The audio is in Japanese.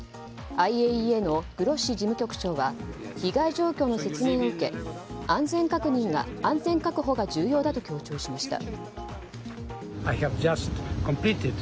ＩＡＥＡのグロッシ事務局長は被害状況の説明を受け安全確保が重要だと強調しました。